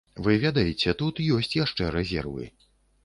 Вы ведаеце, тут ёсць яшчэ рэзервы.